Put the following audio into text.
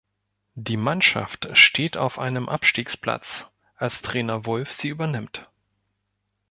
Die Mannschaft steht auf einem Abstiegsplatz, als Trainer Wulff sie übernimmt.